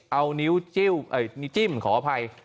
เอานิ้วจิ้มขออภัย